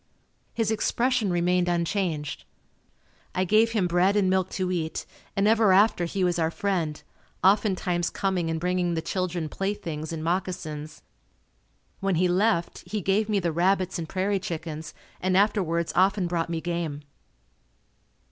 His expression remained unchanged. I gave him bread and milk to eat and ever after he was our friend, oftentimes coming and bringing the children playthings and moccasins. When he left, he gave me the rabbits and prairie chickens and afterwards often brought me game.